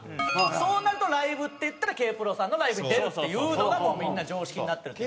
そうなるとライブっていったらＫ−ＰＲＯさんのライブに出るっていうのがもうみんな常識になってる。